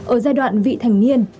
ở giai đoạn vị thành niên